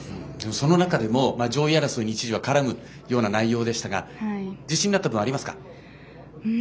その中でも上位争いに一時は絡むような内容でしたが自信になった部分はありますか？